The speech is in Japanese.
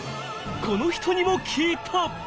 この人にも聞いた！